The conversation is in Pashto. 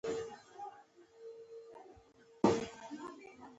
فکري بهیرونه د زغملو وي.